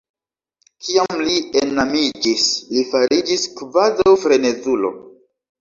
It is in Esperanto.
Kiam li enamiĝis, li fariĝis kvazaŭ frenezulo.